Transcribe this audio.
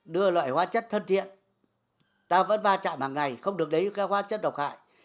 đưa loại hóa chất thân thiện ta vẫn va chạm hàng ngày không được lấy các hóa chất độc hại